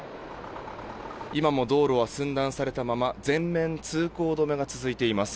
今も道路は寸断されたまま全面通行止めが続いています。